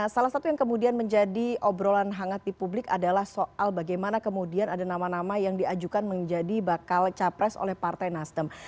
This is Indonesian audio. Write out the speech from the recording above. salah satu yang kemudian menjadi obrolan hangat di publik adalah soal bagaimana kemudian ada nama nama yang diajukan menjadi bakal capres oleh partai nasdem